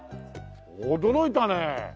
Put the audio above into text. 驚いたね！